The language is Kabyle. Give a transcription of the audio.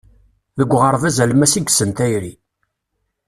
Deg uɣerbaz alemmas i yessen tayri.